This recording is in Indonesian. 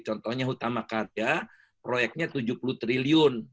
contohnya utama karya proyeknya rp tujuh puluh triliun